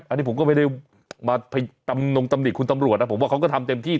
อันนี้ผมก็ไม่ได้มาตำนงตำหนิคุณตำรวจนะผมว่าเขาก็ทำเต็มที่